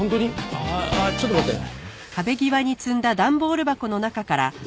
ああちょっと待ってね。